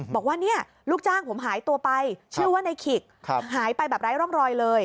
บอกว่าเนี่ยลูกจ้างผมหายตัวไปชื่อว่าในขิกหายไปแบบไร้ร่องรอยเลย